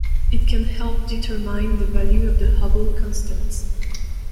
It can help determine the value of the Hubble constant.